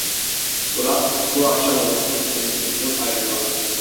Bırak, bu akşam olsun kendimizden ayrılalım.